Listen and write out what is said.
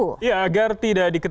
tim liputan cnn indonesia